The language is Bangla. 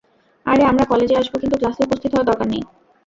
আরে আমরা কলেজে আসব কিন্তু ক্লাসে উপস্থিত হওয়ার দরকার নেই।